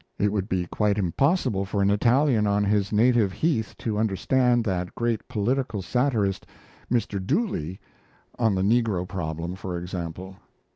It would be quite impossible for an Italian on his native heath to understand that great political satirist, "Mr. Dooley," on the Negro Problem, for example.